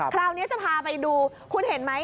คราวนี้จะพาไปดูคุณเห็นไหม